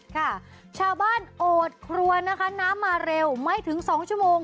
ค่ะชาวบ้านโอดครัวนะคะน้ำมาเร็วไม่ถึง๒ชั่วโมง